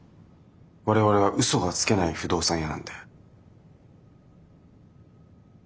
我々は嘘がつけない不動産屋なんで。